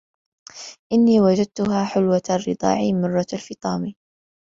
إنِّي وَجَدْتهَا حُلْوَةَ الرَّضَاعِ مَرَّةَ الْفِطَامِ